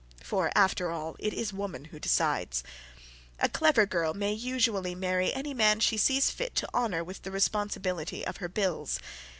For, after all, it is woman who decides. A clever girl may usually marry any man she sees fit to honour with the responsibility of her bills.